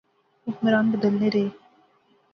حکمران بدلنے رہے